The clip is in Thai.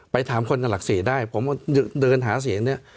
ถามคนหลัก๔ได้ผมก็เดินหาเสียงเนี่ย